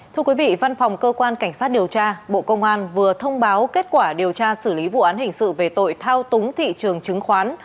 thưa quý vị văn phòng cơ quan cảnh sát điều tra bộ công an vừa thông báo kết quả điều tra xử lý vụ án hình sự về tội thao túng thị trường chứng khoán